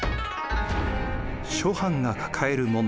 諸藩が抱える問題。